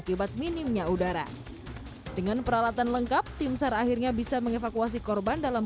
akibat minimnya udara dengan peralatan lengkap timsar akhirnya bisa mengevakuasi korban dalam